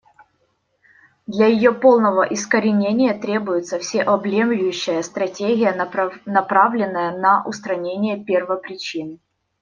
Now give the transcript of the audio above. Для ее полного искоренения требуется всеобъемлющая стратегия, направленная на устранение первопричин.